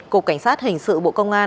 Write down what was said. cục cảnh sát hình sự bộ công an